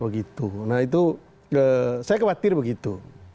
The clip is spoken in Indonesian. nah itu saya khawatir begitu